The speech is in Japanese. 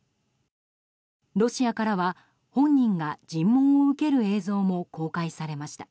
ロシアからは、本人が尋問を受ける映像も公開されました。